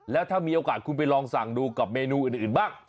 แล้วถ้ามีโอกาสคุณไปลองสั่งดูกับเมนูอื่นบ้าง